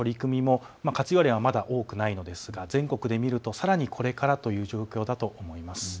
都の活用例もまだ多くはないのですが、全国で見るとさらにこれからという状況だということです。